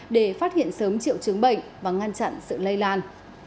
để phát hiện sớm triệu chứng bệnh và ngăn chặn sự lây lan